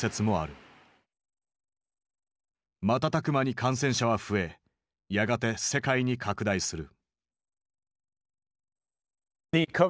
瞬く間に感染者は増えやがて世界に拡大する。